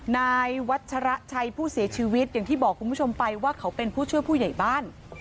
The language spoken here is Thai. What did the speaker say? นายวัชระชัยผู้เสียชีวิตอย่างที่บอกคุณผู้ชมไปว่าเขาเป็นผู้ช่วยผู้ใหญ่บ้าน